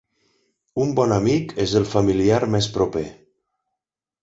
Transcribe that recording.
Un bon amic és el familiar més proper.